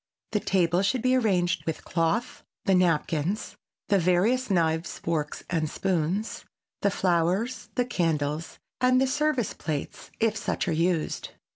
The table should be arranged with cloth, the napkins, the various knives, forks and spoons, the flowers, the candles, and the service plates, if such are used.